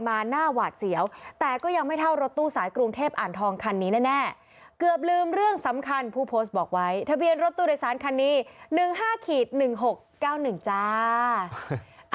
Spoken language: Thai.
ทะเบียนรถตุรศาสตร์คันนี้๑๕๑๖๙๑จ้า